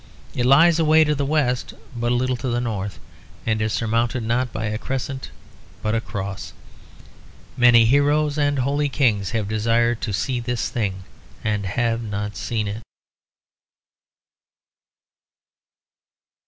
It lies away to the west, but a little to the north; and it is surmounted, not by a crescent but a cross. Many heroes and holy kings have desired to see this thing, and have not seen it.